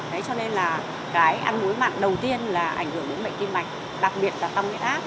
đấy cho nên là cái ăn muối mặn đầu tiên là ảnh hưởng đến bệnh tim mạch đặc biệt là tâm viết áp